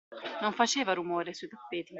Non faceva rumore, sui tappeti.